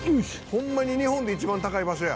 「ホンマに日本で一番高い場所や」